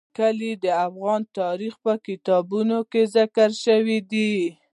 کلي د افغان تاریخ په کتابونو کې ذکر شوی دي.